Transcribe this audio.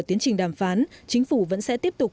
tiến trình đàm phán chính phủ vẫn sẽ tiếp tục